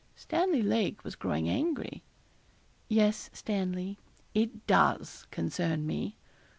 Stanley Lake was growing angry. 'Yes, Stanley, it does concern me.'